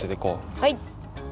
はい！